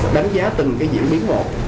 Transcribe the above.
đánh giá từng diễn biến một